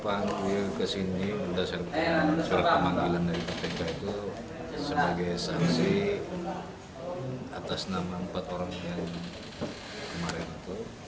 pemeriksaan yang terjadi di kpk itu sebagai saksi atas nama empat orang yang kemarin itu